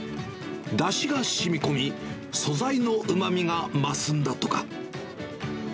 だしがしみ込み、素材のうまみが増すんだとか。